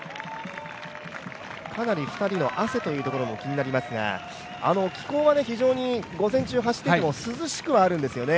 かなり２人の汗というところも気になりますが、気候は非常に午前中走っていても涼しくはあるんですよね。